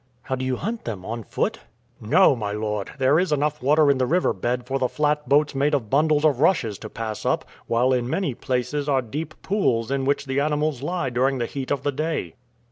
"How do you hunt them on foot?" "No, my lord. There is enough water in the river bed for the flat boats made of bundles of rushes to pass up, while in many places are deep pools in which the animals lie during the heat of the day."